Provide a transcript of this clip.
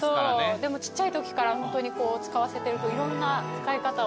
でもちっちゃいときから使わせてるといろんな使い方をね。